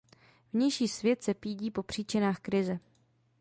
Vnější svět se pídí po příčinách krize.